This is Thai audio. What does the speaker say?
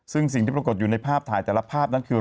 ซึ่งสิ่งที่ปรากฏอยู่ในภาพถ่ายแต่ละภาพนั้นคือ